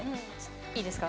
いいですか？